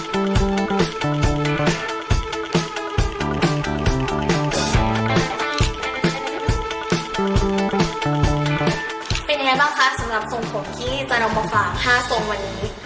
เป็นยังไงบ้างคะสำหรับส่วนผมที่จะลองประฝาก๕ส่วนวันนี้